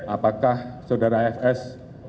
apakah saudara fs